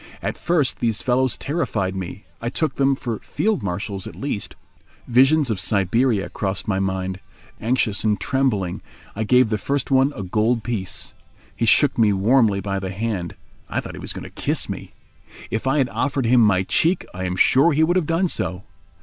At first these fellows terrified me. I took them for field marshals at least. Visions of Siberia crossed my mind. Anxious and trembling, I gave the first one a gold piece. He shook me warmly by the hand—I thought he was going to kiss me. If I had offered him my cheek I am sure he would have done so.